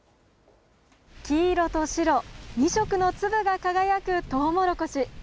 黄色と白、２色の粒が輝くトウモロコシ。